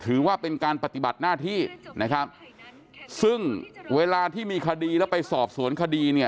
ถือว่าเป็นการปฏิบัติหน้าที่นะครับซึ่งเวลาที่มีคดีแล้วไปสอบสวนคดีเนี่ย